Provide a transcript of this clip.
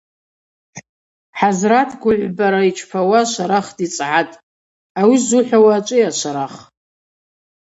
Хӏазрат гвыгӏвбара йчпауа Шварах дицӏгӏатӏ: –Ауи ззухӏвауа ачӏвыйа, Шварах?